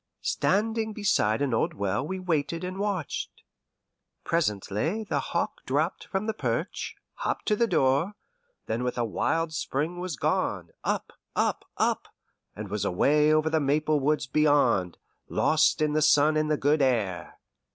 Standing beside an old well we waited and watched. Presently the hawk dropped from the perch, hopped to the door, then with a wild spring was gone, up, up, up, and was away over the maple woods beyond, lost in the sun and the good air.